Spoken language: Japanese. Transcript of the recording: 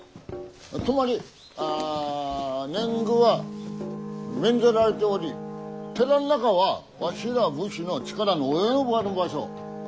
つまりあ年貢は免ぜられており寺の中はわしら武士の力の及ばぬ場所。